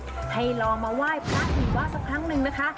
ให้ลองมาไหว้พระหิวะสักครั้งหนึ่งนะคะ